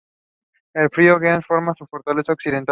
El río Gers forma su frontera occidental.